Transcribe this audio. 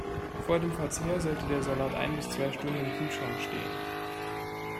Vor dem Verzehr sollte der Salat ein bis zwei Stunden im Kühlschrank stehen.